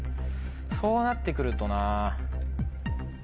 そうなって来るとな。